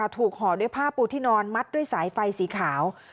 ห่อด้วยผ้าปูที่นอนมัดด้วยสายไฟสีขาว